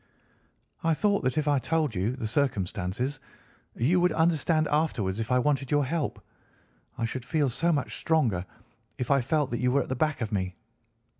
"I thought that if I told you the circumstances you would understand afterwards if I wanted your help. I should feel so much stronger if I felt that you were at the back of me."